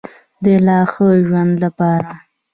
د لا ښه ژوند لپاره.